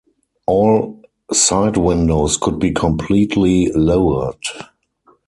All side windows could be completely lowered.